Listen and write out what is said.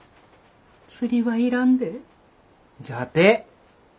釣りは要らんで」じゃて。